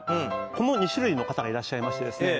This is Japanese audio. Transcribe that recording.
この２種類の方がいらっしゃいましてですね